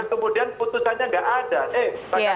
kemudian putusannya tidak ada